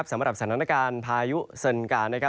สำหรับสถานการณ์พายุเซินกา